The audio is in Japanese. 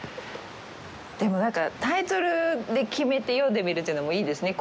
でも、なんかタイトルで決めて読んでみるというのもいいですね。